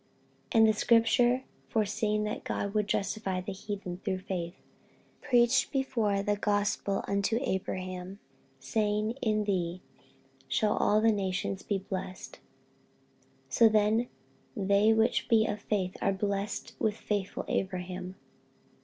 48:003:008 And the scripture, foreseeing that God would justify the heathen through faith, preached before the gospel unto Abraham, saying, In thee shall all nations be blessed. 48:003:009 So then they which be of faith are blessed with faithful Abraham.